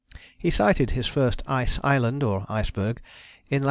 He sighted his first 'ice island' or iceberg in lat.